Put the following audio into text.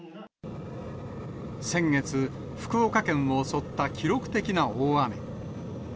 先月、福岡県を襲った記録的な大雨。